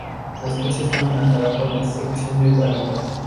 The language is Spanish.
La especie está amenazada por destrucción de hábitat.